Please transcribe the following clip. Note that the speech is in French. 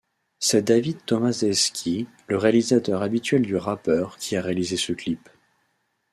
C'est David Tomaszewski, le réalisateur habituel du rappeur, qui a réalisé ce clip.